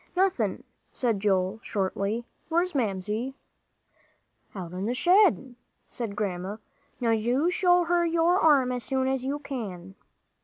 "Nothin'," said Joel, shortly; "where's Mamsie?" "Out in the shed," said Grandma. "Now you show her your arm as soon as you can."